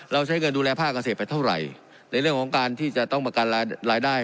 ใช้เงินดูแลภาคเกษตรไปเท่าไหร่ในเรื่องของการที่จะต้องประกันรายได้